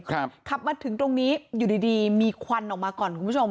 ขับมาถึงตรงนี้อยู่ดีดีมีควันออกมาก่อนคุณผู้ชม